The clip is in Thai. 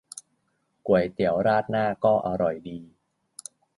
ก๋วยเตี๋ยวราดหน้าก็อร่อยดี